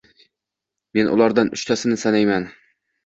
Men ulardan uchtasini sanayman: